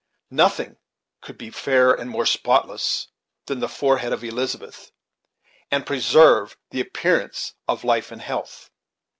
Nothing could be fairer and more spotless than the forehead of Elizabeth, and preserve the appearance of life and health.